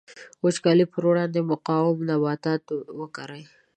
د وچکالۍ پر وړاندې مقاوم نباتات وکري.